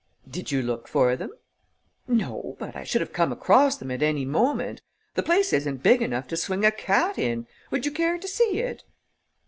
"Did you look for them?" "No. But I should have come across them at any moment. The place isn't big enough to swing a cat in. Would you care to see it?"